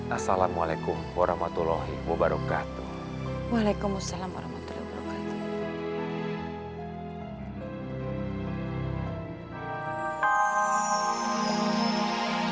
assalamualaikum warahmatullahi wabarakatuh waalaikumsalam warahmatullahi wabarakatuh